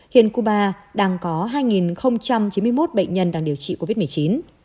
hiện cuba đang có hai chín mươi một bệnh nhân đang điều trị